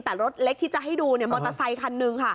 แต่รถเล็กที่จะให้ดูมอเตอร์ไซคันหนึ่งค่ะ